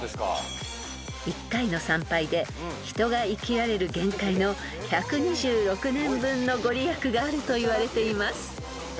［１回の参拝で人が生きられる限界の１２６年分の御利益があるといわれています］